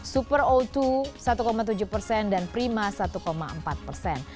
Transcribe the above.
super o dua satu tujuh persen dan prima satu empat persen